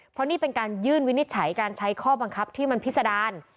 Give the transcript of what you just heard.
เพราะนี่เป็นการยื่นวินิจฉัยการใช้ข้อบังคับที่มันพิษดาร